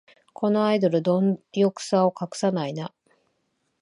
このアイドル、どん欲さを隠さないな